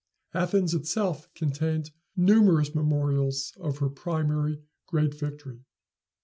Athens itself contained numerous memorials of her primary great victory.